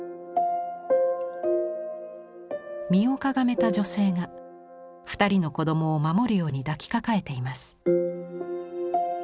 身をかがめた女性が二人の子供を守るように抱きかかえています。